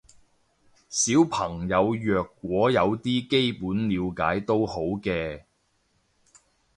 小朋友若果有啲基本了解都好嘅